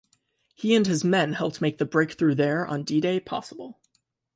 He and his men helped make the breakthrough there on D-Day possible.